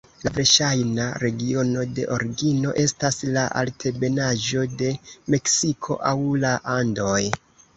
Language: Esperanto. La verŝajna regiono de origino estas la altebenaĵo de Meksiko aŭ la Andoj.